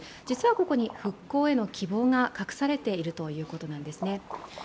実はここに復興への希望が隠されているということなんですね。